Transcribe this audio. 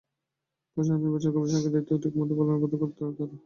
প্রশাসন আর নির্বাচন কমিশনকে তাদের দায়িত্ব ঠিকমতো পালনে বাধ্য করতে পারে তারাই।